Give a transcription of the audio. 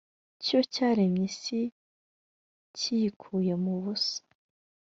cyo cyaremye isi kiyikuye mu busa,